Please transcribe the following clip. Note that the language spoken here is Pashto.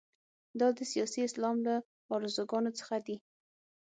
دا د سیاسي اسلام له ارزوګانو څخه دي.